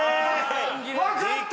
分かった！